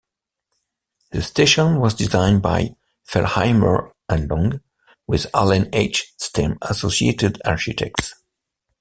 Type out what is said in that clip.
The station was designed by Fellheimer and Long with Allen H. Stem Associated Architects.